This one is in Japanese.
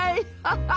ハハハハ。